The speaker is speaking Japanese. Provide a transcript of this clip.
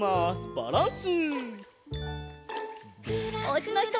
バランス。